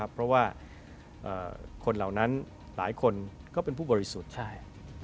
เพราะว่าคนเหล่านั้นหลายคนก็เป็นผู้บริสุทธิ์ใช่